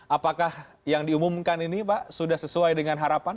apakah yang diumumkan ini pak sudah sesuai dengan harapan